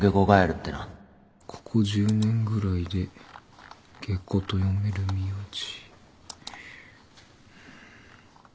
ここ１０年ぐらいでゲコと読める名字。